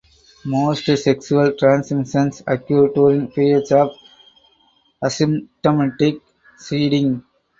Most sexual transmissions occur during periods of asymptomatic shedding.